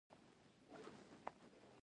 که زخم در ورسیږي لکه چنګ په چیغو مه شه.